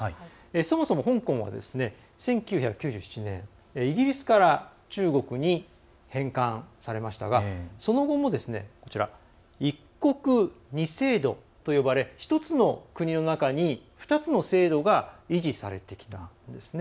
そもそも香港は１９９７年、イギリスから中国に返還されましたが、その後も一国二制度と呼ばれ１つの国の中に２つの制度が維持されてきたんですね。